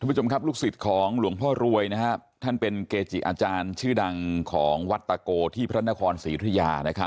ลูกศิษย์ของหลวงพ่อรวยท่านเป็นเกจิอาจารย์ชื่อดังของวัดตะโกที่พระนครศรีธุยา